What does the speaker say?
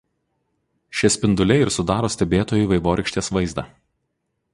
Šie spinduliai ir sudaro stebėtojui vaivorykštės vaizdą.